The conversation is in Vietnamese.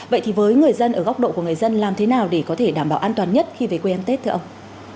vậy thì với người dân ở góc độ của người dân làm thế nào để có thể đảm bảo an toàn nhất khi về quê ăn tết thưa ông